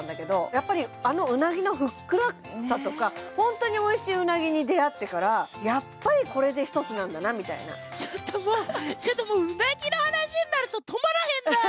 やっぱりあのうなぎのふっくらさとかホントにおいしいうなぎに出会ってからやっぱりこれで一つなんだなみたいな帰ろううん！